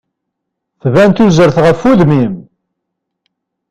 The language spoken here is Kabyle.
Tban tuzert ɣef udem-im.